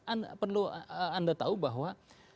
anda perlu tahu bahwa